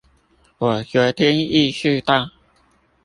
我昨天意識到